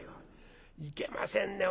「いけませんね